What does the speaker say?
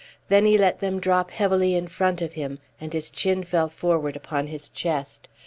Then he let them drop heavily in front of him, and his chin fell forward upon his chest.